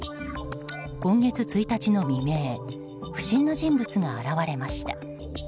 今月１日の未明不審な人物が現れました。